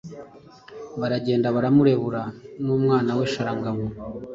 Baragenda baramurebura n'umwana we Sharangabo